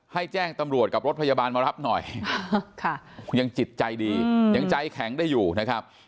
แจ้งตำรวจกับรถพยาบาลมารับหน่อยคุณยังจิตใจดียังใจแข็งได้อยู่นะครับ